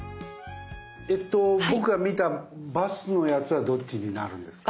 僕が見たバスのヤツはどっちになるんですか？